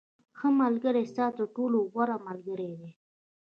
• ښه ملګری ستا تر ټولو غوره ملګری دی.